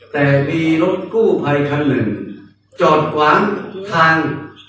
แต่มีรถกู้ภัยคันหนึ่งจอดขวางทาง